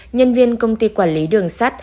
nhân viên công ty quản lý đường sắt